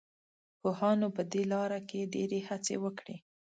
پوهانو په دې لاره کې ډېرې هڅې وکړې.